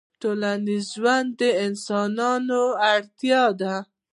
ټولنیز ژوند د انسانانو اړتیا ده